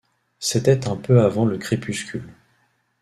C’était un peu avant le crépuscule.